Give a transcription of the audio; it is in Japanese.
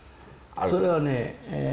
それはね